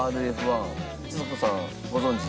ちさ子さんご存じ？